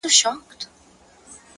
د زغم ځواک د لویوالي نښه ده